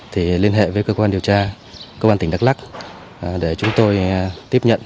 thì liên hệ với cơ quan điều tra cơ quan tỉnh đắk lắc